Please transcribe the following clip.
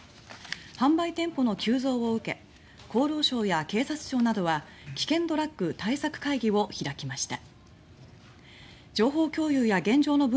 販売店舗の急増を受け厚労省や警察庁などは危険ドラッグ対策会議を開きました。